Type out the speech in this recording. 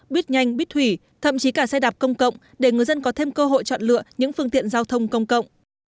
bít nhanh bít thủy thậm chí cả xe đạp công cộng để người dân có thêm cơ hội chọn lựa những phương tiện giao thông công cộng